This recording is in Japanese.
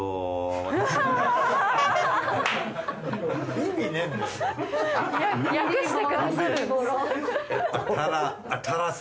意味ねえんだよ。